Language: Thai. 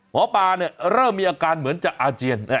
หมอปลาเริ่มมีอาการเหมือนจะอาเจียน